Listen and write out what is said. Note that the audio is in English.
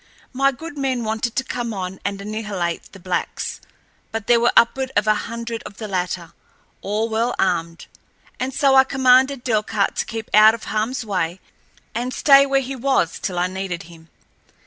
My good men wanted to come on and annihilate the blacks. But there were upward of a hundred of the latter, all well armed, and so I commanded Delcarte to keep out of harml's way, and stay where he was till I needed him.